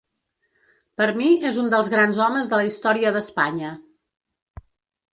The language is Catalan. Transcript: Per mi és un dels grans homes de la història d’Espanya.